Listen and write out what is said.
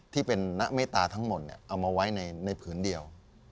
ที่เป็นณเมตตาทั้งหมดเอามาไว้ในผืนเดียว